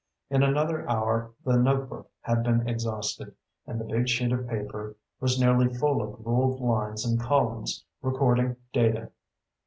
In another hour the notebook had been exhausted, and the big sheet of paper was nearly full of ruled lines and columns, recording data.